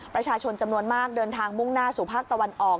ประชาชนจำนวนมากเดินทางมุ่งหน้าสู่ภาคตะวันออก